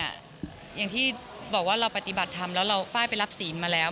อย่างที่บอกว่าเราปฏิบัติธรรมแล้วเราไฟล์ไปรับศีลมาแล้ว